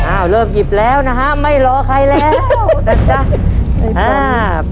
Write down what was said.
อ้าวเริ่มหยิบแล้วนะฮะไม่รอใครแล้วนะจ๊ะอ่า